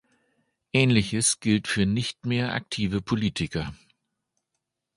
Ähnliches gilt für nicht mehr aktive Politiker.